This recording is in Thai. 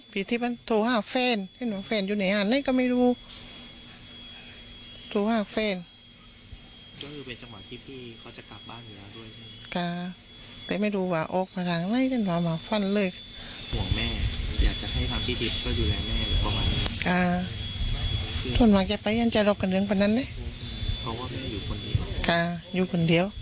เพราะว่าไม่อยู่คนเดียว